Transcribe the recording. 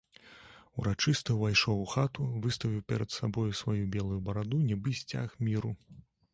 Урачыста ўвайшоў у хату, выставіў перад сабою сваю белую бараду, нібы сцяг міру.